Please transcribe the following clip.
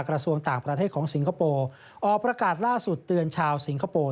กระทรวงต่างประเทศของสิงคโปร์ออกประกาศล่าสุดเตือนชาวสิงคโปร์